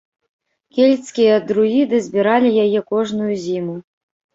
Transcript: Кельцкія друіды збіралі яе кожную зіму.